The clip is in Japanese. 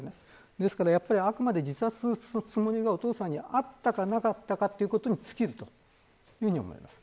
ですから、あくまで自殺するつもりがお父さんにあったかなかったかということに尽きるというふうに思います。